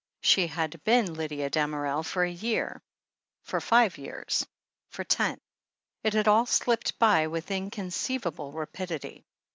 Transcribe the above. She had been Lydia Damerel for a year — for five years — for ten — it had all slipped by with inconceiv able rapidity.